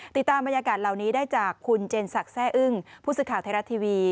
ติดตามบรรยากาศเหล่านี้ได้จากคุณเจนศักดิ์แซ่อึ้งผู้สื่อข่าวไทยรัฐทีวี